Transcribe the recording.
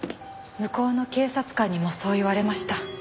向こうの警察官にもそう言われました。